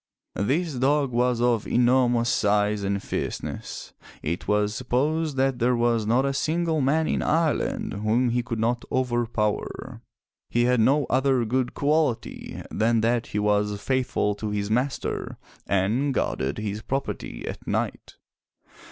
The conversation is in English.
This dog was of enormous size and fierceness. It was supposed that there was not a single man in Ireland whom he could not overpower. He had no other good quality than that he was faithful to his master and guarded his property at night.